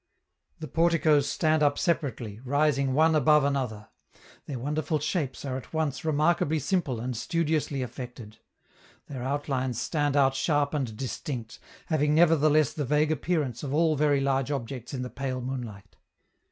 The porticoes stand up separately, rising one above another; their wonderful shapes are at once remarkably simple and studiously affected; their outlines stand out sharp and distinct, having nevertheless the vague appearance of all very large objects in the pale moonlight.